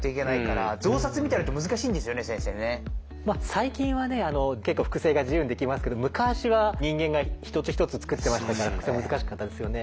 最近はね結構複製が自由にできますけど昔は人間が一つ一つ作ってましたから複製は難しかったですよね。